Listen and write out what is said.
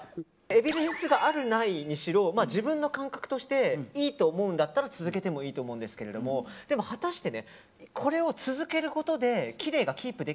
エビデンスがあるないにしろ自分の感覚としていいと思うんだったら続けてもいいと思うんですけども果たして。